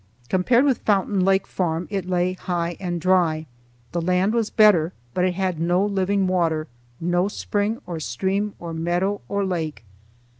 Compared with Fountain Lake farm it lay high and dry. The land was better, but it had no living water, no spring or stream or meadow or lake.